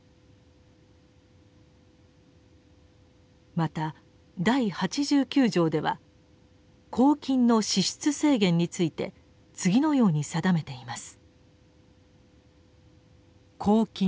また第八十九条では「公金の支出制限」について次のように定めています。